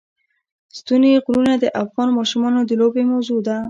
ستوني غرونه د افغان ماشومانو د لوبو موضوع ده.